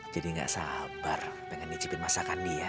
jadi gak sabar pengen icipin masakan dia